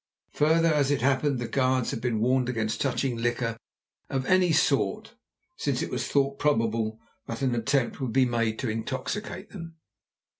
Further, as it happened, the guards had been warned against touching liquor of any sort since it was thought probable that an attempt would be made to intoxicate them.